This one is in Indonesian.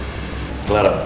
terutama sama istri gue